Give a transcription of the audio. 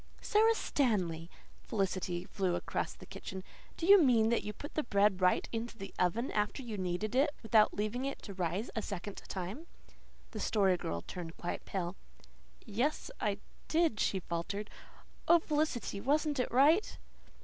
"Sara Stanley!" Felicity flew across the kitchen. "Do you mean that you put the bread right into the oven after you kneaded it without leaving it to rise a second time?" The Story Girl turned quite pale. "Yes, I did," she faltered. "Oh, Felicity, wasn't it right?"